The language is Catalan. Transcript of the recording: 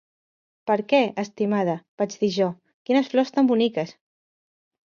"Per què, estimada", vaig dir jo, "quines flors tan boniques"!